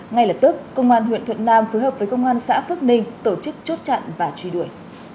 ngay lập tức công an huyện thuận nam phối hợp với công an xã phước ninh tổ chức chốt chặn và truy đuổi